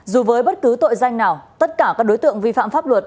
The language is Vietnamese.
dù với bất cứ tội danh nào tất cả các đối tượng vi phạm pháp luật